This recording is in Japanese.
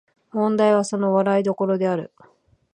問題はその笑い所である